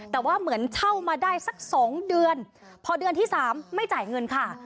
แต่ว่าเหมือนเช่ามาได้สัก๒เดือนพอเดือนที่๓ไม่จ่ายเงินค่ะ